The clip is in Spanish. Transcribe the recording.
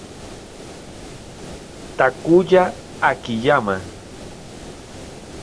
Takuya Akiyama